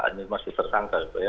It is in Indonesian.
ini masih tersangka